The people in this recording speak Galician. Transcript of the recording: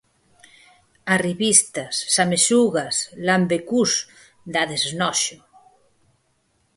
Arribistas, samesugas, lambecús. Dades noxo!